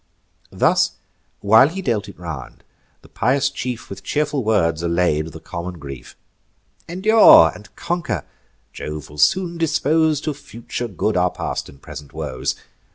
Thus while he dealt it round, the pious chief With cheerful words allay'd the common grief: "Endure, and conquer! Jove will soon dispose To future good our past and present woes.